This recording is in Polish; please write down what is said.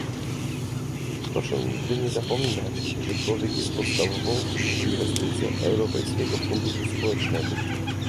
Proszę nigdy nie zapominać, że człowiek jest podstawową inwestycją Europejskiego Funduszu Społecznego